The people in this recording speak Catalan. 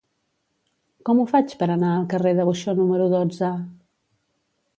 Com ho faig per anar al carrer de Buxó número dotze?